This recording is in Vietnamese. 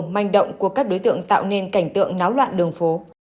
manh động của các đối tượng tạo nên cảnh tượng náo loạn đường phố